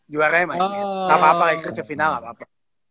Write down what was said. juaranya miami heat gak apa apa inggris ke final gak apa apa